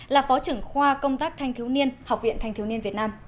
là phó trưởng khoa công tác thành thiếu niên học viện thành thiếu niên việt nam